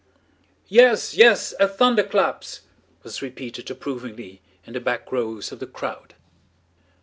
"Yes, yes, at thunderclaps!" was repeated approvingly in the back rows of the crowd.